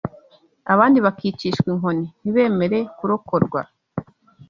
Abandi bakicishwa inkoni ntibemere kurokorwa